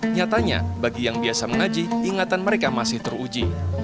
nyatanya bagi yang biasa mengaji ingatan mereka masih teruji